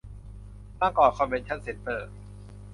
บางกอกคอนเวนชั่นเซ็นเตอร์